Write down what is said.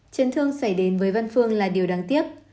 chấn thương xảy đến với văn phương là điều đáng tiếc